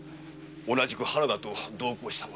同じく原田と同行した者。